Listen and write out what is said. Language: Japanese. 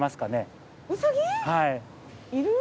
いる？